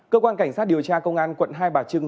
cơ quan cảnh sát điều tra công an quận hai bà trưng